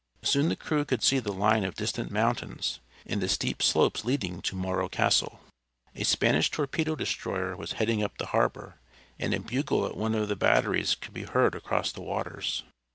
Soon the crew could see the line of distant mountains, and the steep slopes leading to Morro Castle. A Spanish torpedo destroyer was heading up the harbor, and a bugle at one of the batteries could be heard across the waters.